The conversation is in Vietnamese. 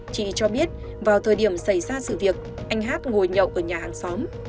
chị cho biết vào thời điểm xảy ra sự việc anh hát ngồi nhậu ở nhà hàng xóm